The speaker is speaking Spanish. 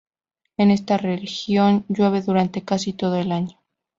En esta región llueve durante casi todo el año.